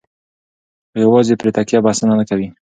خو یوازې پرې تکیه بسنه نه کوي.